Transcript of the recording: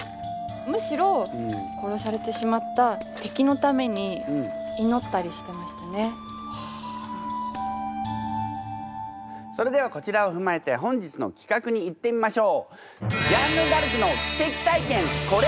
むしろそれではこちらを踏まえて本日の企画にいってみましょう。